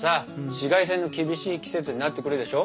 紫外線の厳しい季節になってくるでしょ。